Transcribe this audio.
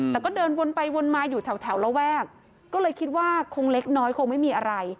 แต่ก็เดินวนไปวนมาอยู่แถวระแวกก็เลยคิดว่าคงเล็กน้อยคงไม่มีอะไร